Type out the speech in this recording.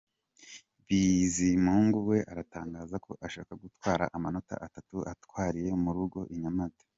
Bizimungu we aratangaza ko ashaka gutwara amanota atatu ayatwariye mu rugo i Nyamata.